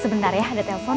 sebenarnya ada telpon